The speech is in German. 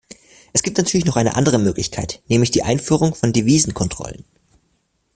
Es gibt natürlich noch eine andere Möglichkeit, nämlich die Einführung von Devisenkontrollen.